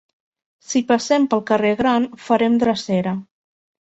Si passem pel carrer Gran farem drecera.